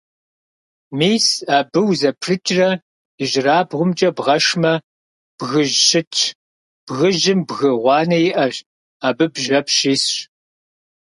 Мис абы узэпрыкӀрэ ижьырабгъумкӀэ бгъэшмэ, бгыжь щытщ, бгыжьым бгы гъуанэ иӀэщ, абы бжьэпщ исщ.